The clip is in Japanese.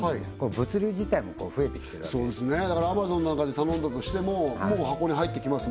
物流自体も増えてきてるわけですそうですねだからアマゾンなんかで頼んだとしてももう箱に入ってきます